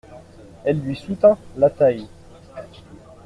Elle lui soutint la taille.